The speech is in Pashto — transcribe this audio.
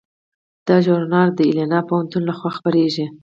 دا ژورنال د ایلینای پوهنتون لخوا خپریږي.